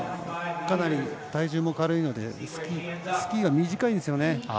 かなり体重も軽いのでスキーが短いんですよね。